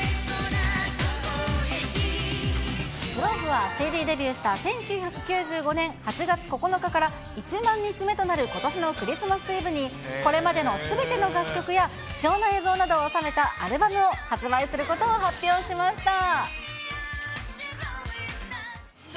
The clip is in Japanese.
ｇｌｏｂｅは、ＣＤデビューした１９９５年８月９日から１万日目となることしのクリスマスイブに、これまでのすべての楽曲や貴重な映像などを収めたアルバムを発売することを発表しました。